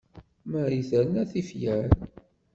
Marie terna tifyar.